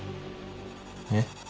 えっ？